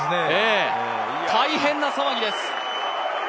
大変な騒ぎです。